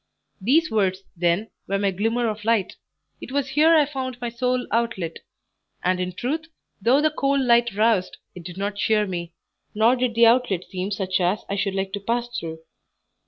These words, then, were my glimmer of light; it was here I found my sole outlet; and in truth, though the cold light roused, it did not cheer me; nor did the outlet seem such as I should like to pass through.